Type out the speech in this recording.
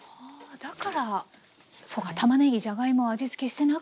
だからそうかたまねぎじゃがいも味つけしてなくても。